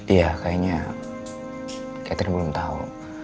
iya kayaknya catherine belum tau